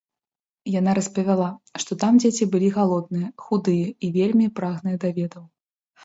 Яна распавяла, што там дзеці былі галодныя, худыя і вельмі прагныя да ведаў.